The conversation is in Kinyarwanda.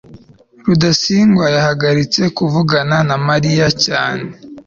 rudasingwa yahagaritse kuvugana na mariya cyane